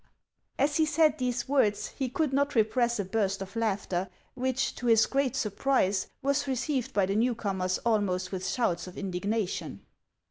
As he said these words, he could not repress a burst of laughter, which, to his great surprise, was received by the new comers almost with shouts of indignation.